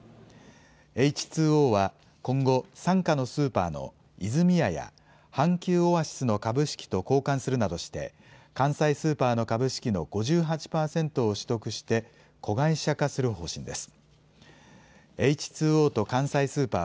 エイチ・ツー・オーは今後、傘下のスーパーのイズミヤや阪急オアシスの株式と交換するなどして、関西スーパーの株式の５８％を取得して、子会社化する方針です。